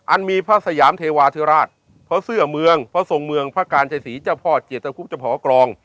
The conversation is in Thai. อันมีพระสยามเทวาธิราชพระเสื้อเมืองพระทรงเมืองพระการชัยศรีเจ้าพ่อเจตคุบเจ้าพอกรอง